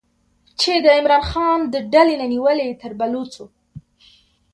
چې د عمران خان د ډلې نه نیولې تر بلوڅو